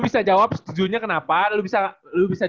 lu bisa jawab setujunya kenapa lu bisa juga jawab ga setujunya kenapa